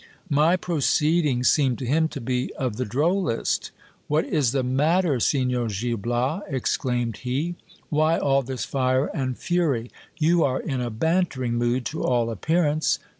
My proceeding seemed to him to be of the drollest. What is the matter, Signor Gil Bias ? exclaimed he. Why all this fire and fury ? You are in a bantering mood, to all appearance.